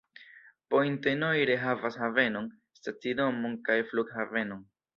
Pointe-Noire havas havenon, stacidomon kaj flughavenon.